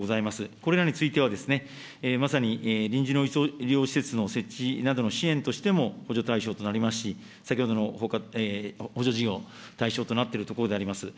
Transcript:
これらについては、まさに臨時の医療施設の設置などの支援としても補助対象となりますし、先ほどの補助事業対象となっているところでございます。